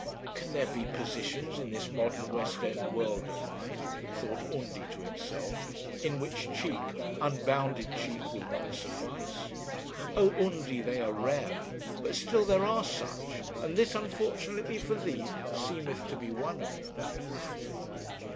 'Can there be positions in this modern West End world of mine,' thought Undy to himself, 'in which cheek, unbounded cheek, will not suffice?' Oh, Undy, they are rare; but still there are such, and this, unfortunately for thee, seemeth to be one of them.